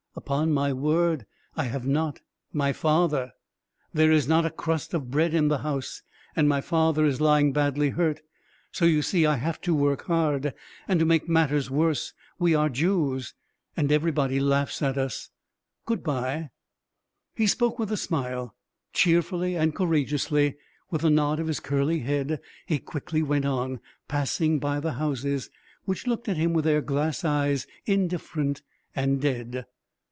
Upon my word I have not. My father ... there is not a crust of bread in the house, and my father is lying badly hurt. So you see, I have to work hard. And to make matters worse, we are Jews, and everybody laughs at us. Good bye." He spoke with a smile, cheerfully and courageously. With a nod of his curly head, he quickly went on, passing by the houses which looked at him with their glass eyes, indifferent and dead.